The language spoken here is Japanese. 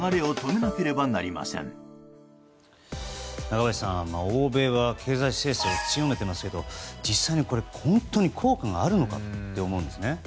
中林さん欧米は経済制裁を強めていますけど実際に本当に効果があるのかと思うんですね。